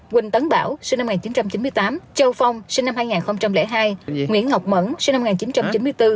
quỳnh tấn bảo sinh năm một nghìn chín trăm chín mươi tám châu phong sinh năm hai nghìn hai nguyễn ngọc mẫn sinh năm một nghìn chín trăm chín mươi bốn